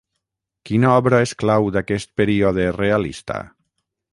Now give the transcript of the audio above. Quina obra és clau d'aquest període realista?